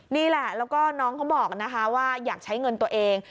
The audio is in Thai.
นี่แหละแล้วก็น้องเขาบอกนะคะว่าอยากใช้เงินตัวเอง